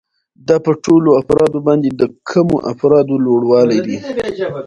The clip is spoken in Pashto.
دا په ټولو افرادو باندې د کمو افرادو لوړوالی دی